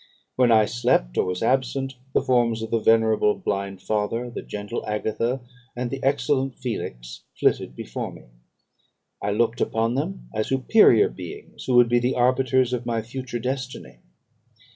When I slept, or was absent, the forms of the venerable blind father, the gentle Agatha, and the excellent Felix, flitted before me. I looked upon them as superior beings, who would be the arbiters of my future destiny.